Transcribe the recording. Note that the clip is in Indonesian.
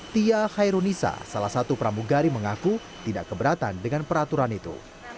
tia khairunisa salah satu pramugari mengaku tidak keberatan dengan peraturan itu